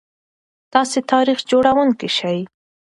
تاسي تاریخ جوړونکي شئ.